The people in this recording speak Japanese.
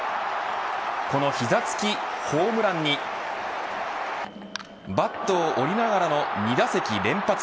この膝つきホームランにバットを折りながらの２打席連発。